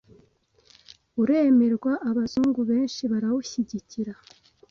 uremerwa abazungu benshi barawushygikira